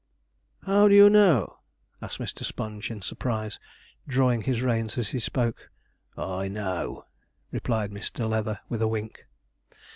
'How do you know?' asked Mr. Sponge, in surprise, drawing his reins as he spoke. 'I know,' replied Mr. Leather with a wink.